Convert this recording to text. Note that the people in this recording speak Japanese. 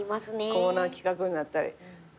コーナー企画になったり。